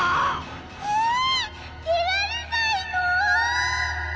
ええっでられないの！？